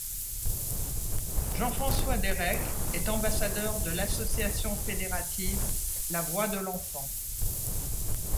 Jean-François Dérec est ambassadeur de l'association fédérative La Voix de l'enfant.